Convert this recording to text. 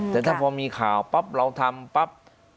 แต่ถ้าพอมีข่าวปั๊บเราทำปั๊บ